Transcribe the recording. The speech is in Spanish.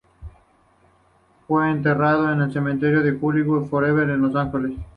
Fue enterrado en el Cementerio Hollywood Forever, en Los Ángeles.